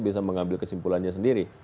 bisa mengambil kesimpulannya sendiri